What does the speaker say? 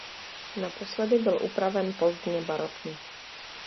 Naposledy byl upraven pozdně barokně.